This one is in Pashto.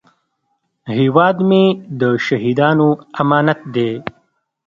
هیواد مې د شهیدانو امانت دی